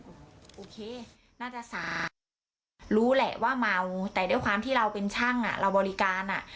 โอเคน่าจะสารู้แหละว่าเมาแต่ด้วยความที่เราเป็นช่างอ่ะเราบริการอ่ะ